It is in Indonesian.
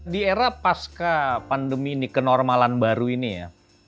di era pasca pandemi ini kenormalan baru ini ya